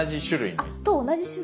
あと同じ種類。